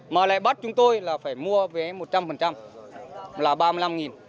mà lại bắt chúng tôi là phải mua vé một trăm linh là ba mươi năm